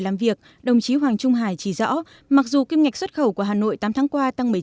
làm việc đồng chí hoàng trung hải chỉ rõ mặc dù kim ngạch xuất khẩu của hà nội tám tháng qua tăng